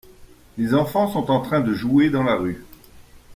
Les enfant sont en train de jouer dans la rue.